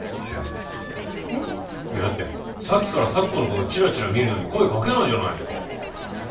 いやだってさっきから咲子のことチラチラ見るのに声かけないじゃないですか。